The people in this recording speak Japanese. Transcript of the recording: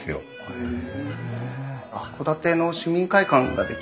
へえ。